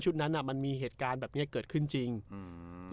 นั้นอ่ะมันมีเหตุการณ์แบบเนี้ยเกิดขึ้นจริงอืม